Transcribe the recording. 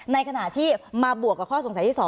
ในขณะที่มาบวกกับข้อสงสัยที่๒